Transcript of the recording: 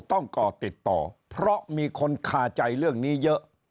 ก่อติดต่อเพราะมีคนคาใจเรื่องนี้เยอะ